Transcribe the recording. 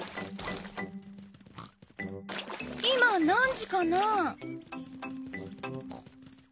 今何時かな？